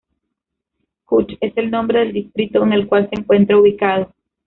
Kutch es el nombre del distrito en el cual se encuentra ubicado.